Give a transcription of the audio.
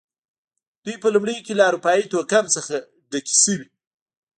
دوی په لومړیو کې له اروپايي توکم څخه ډکې شوې.